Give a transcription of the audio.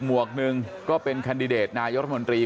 หวกหนึ่งก็เป็นแคนดิเดตนายกรัฐมนตรี